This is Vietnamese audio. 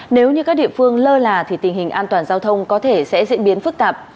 nếu như các địa phương lơ là thì tình hình an toàn giao thông có thể sẽ diễn biến phức tạp